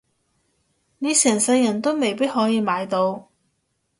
你成世人都未必可以買到